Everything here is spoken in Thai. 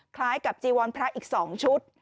คล้ายกับจีวรพระอีก๒ชุด